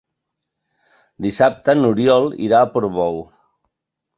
Dissabte n'Oriol irà a Portbou.